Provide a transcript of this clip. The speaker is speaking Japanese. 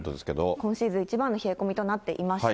今シーズン一番の冷え込みとなっていました。